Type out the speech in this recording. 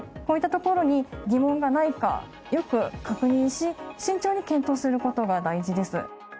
こういったところに疑問がないかよく確認し慎重に検討する事が大事です。